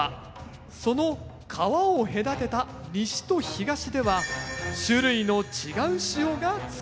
その川を隔てた西と東では種類の違う塩が作られていました。